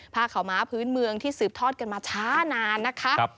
ผ้าขาวม้าพื้นเมืองที่สืบทอดกันมาช้านานนะคะ